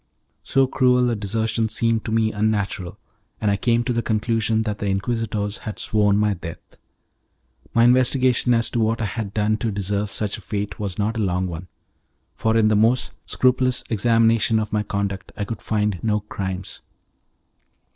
So cruel a desertion seemed to me unnatural, and I came to the conclusion that the Inquisitors had sworn my death. My investigation as to what I had done to deserve such a fate was not a long one, for in the most scrupulous examination of my conduct I could find no crimes.